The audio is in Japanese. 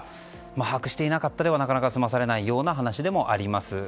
把握していなかったではなかなか済まされないような話でもあります。